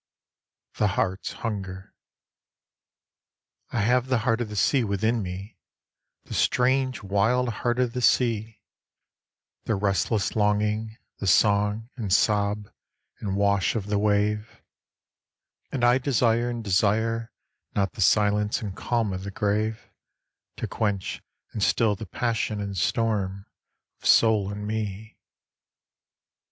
The Heart's Hunger I HAVE the heart of the sea within me, the strange wild heart of the sea, The restless longing, the song and sob and wash of the wave ; And I desire and desire not the silence and calm of the grave To quench and still the passion and storm of soul in me.